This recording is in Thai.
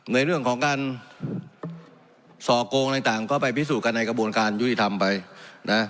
ในเรื่องของการส่อโกงอะไรต่างก็ไปพิสูจนกันในกระบวนการยุติธรรมไปนะ